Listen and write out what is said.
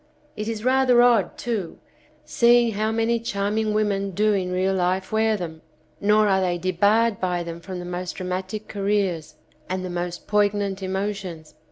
It is rather odd too, seeing how many charming women do in real life wear them, nor are they debarred by them from the most dramatic careers and the most poign ant emotions.